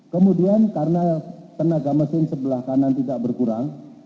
kemudian karena tenaga mesin sebelah kanan tidak berkurang